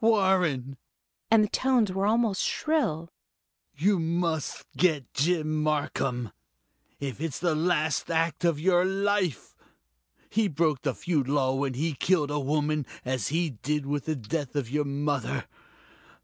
"Warren!" and the tones were almost shrill, "you must get Jim Marcum if it's the last act of your life. He broke the feud law when he killed a woman, as he did with the death of your mother.